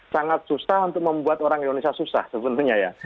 sangat susah untuk membuat orang indonesia susah sebetulnya ya